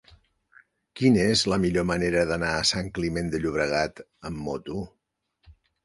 Quina és la millor manera d'anar a Sant Climent de Llobregat amb moto?